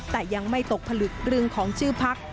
แต่ยังไม่ตกผลึกเรื่องของชื่อพัก